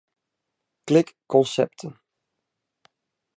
Klik Konsepten.